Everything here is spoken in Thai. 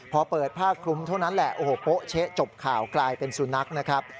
พอเปิดผ้าคลุมเท่านั้นแหละโอ้โหโป๊ะเช๊จบข่าวกลายเป็นสุนัขนะครับ